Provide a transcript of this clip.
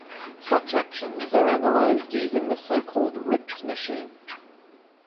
Such actions are analyzed using the so-called Rips machine.